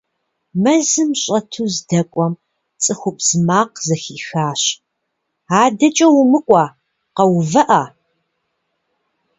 Мэзым щӀэту здэкӀуэм, цӏыхубз макъ зэхихащ: «АдэкӀэ умыкӀуэ, къэувыӀэ!».